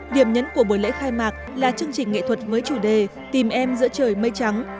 điểm nhấn của buổi lễ khai mạc là chương trình nghệ thuật với chủ đề tìm em giữa trời mây trắng